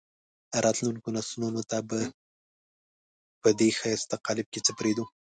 راتلونکو نسلونو ته به په دې ښایسته قالب کې څه پرېږدو.